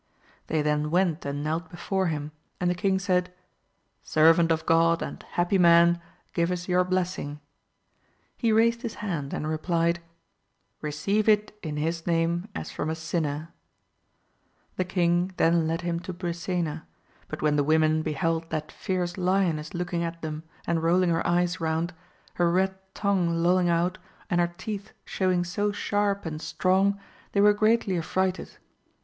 They then went and knelt before him, and the king said. Servant of God and happy man, give us your blessing 1 he raised his hand and replied, Eeceive it in his name as from a sinner ! The king then led him to Brisena; but when the women beheld that fierce lioness looking at them and rolling her eyes round, her red tongue lolling out, and her teeth showing so sharp and strong they were greatly affrighted.